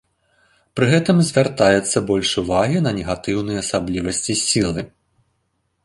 Пры гэтым звяртаецца больш увагі на негатыўныя асаблівасці сілы.